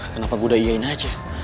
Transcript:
kenapa aku sudah iya saja